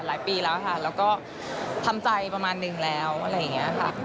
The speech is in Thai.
ปีแล้วค่ะแล้วก็ทำใจประมาณหนึ่งแล้วอะไรอย่างนี้ค่ะ